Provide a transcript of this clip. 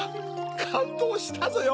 かんどうしたぞよ！